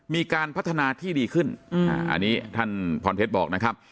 มีการพัฒนาที่ดีขึ้นอันนี้ท่านพรเพชรบอกนะครับ